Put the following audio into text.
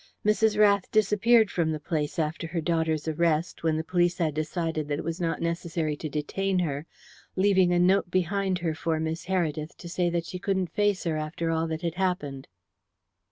Mrs. Rath disappeared from the place after her daughter's arrest, when the police had decided that it was not necessary to detain her, leaving a note behind her for Miss Heredith to say that she couldn't face her after all that had happened."